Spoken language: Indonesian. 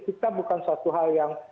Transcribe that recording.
kita bukan suatu hal yang